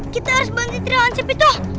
kita harus bante trialan cepit tuh